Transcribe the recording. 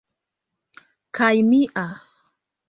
kaj mia